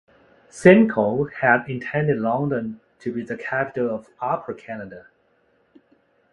Simcoe had intended London to be the capital of Upper Canada.